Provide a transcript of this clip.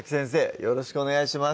よろしくお願いします